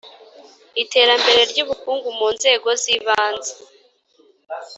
Iterambere ry’ ubukungu mu nzego z ‘ibanze